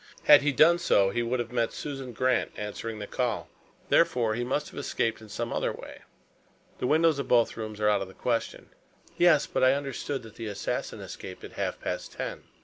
Had he done so, he would have met Susan Grant answering the call. Therefore, he must have escaped in some other way. The windows of both rooms are out of the question." "Yes. But I understood that the assassin escaped at half past ten."